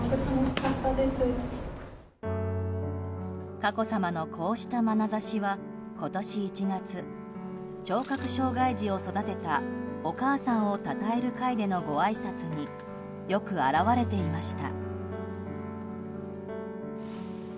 佳子さまのこうしたまなざしは今年１月聴覚障害児を育てたお母さんをたたえる会でのごあいさつによく表れていました。